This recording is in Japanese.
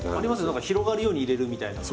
なんか広がるように入れるみたいな。